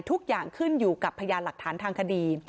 ทุกอย่างขึ้นอยู่กับพยานหลักฐานทางคดี